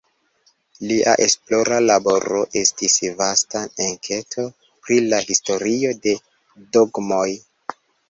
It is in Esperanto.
Lia esplora laboro estis vasta enketo pri la historio de dogmoj.